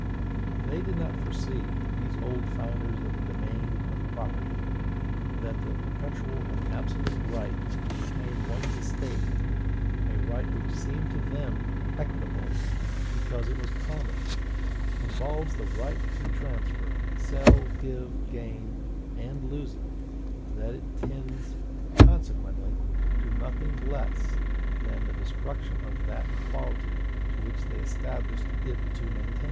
They did not foresee, these old founders of the domain of property, that the perpetual and absolute right to retain one's estate, a right which seemed to them equitable, because it was common, involves the right to transfer, sell, give, gain, and lose it; that it tends, consequently, to nothing less than the destruction of that equality which they established it to maintain.